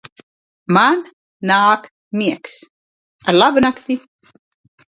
Man. Nāk. Miegs. Arlabunakti!